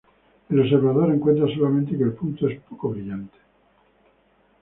El observador encontrará solamente, que el punto es poco brillante.